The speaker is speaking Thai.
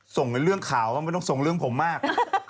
เป็นเรื่องข่าวก็ไม่ต้องส่งเรื่องผมมาก